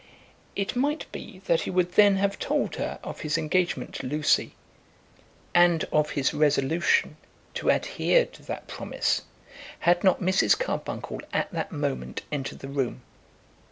It might be that he would then have told her of his engagement to Lucy, and of his resolution to adhere to that promise, had not Mrs. Carbuncle at that moment entered the room.